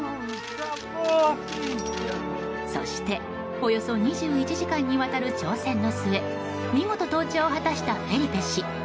そして、およそ２１時間にわたる挑戦の末見事、登頂を果たしたフェリペ氏。